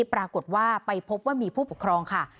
ปรากฏว่าไปพบว่ามีผู้ปกครองค่ะ